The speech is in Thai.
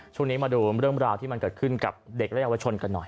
ช่วงนี้มาดูเรื่องราวที่มันเกิดขึ้นกับเด็กและเยาวชนกันหน่อย